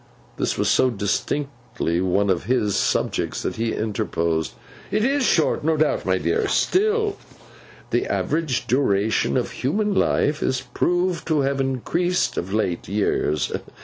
'—This was so distinctly one of his subjects that he interposed. 'It is short, no doubt, my dear. Still, the average duration of human life is proved to have increased of late years.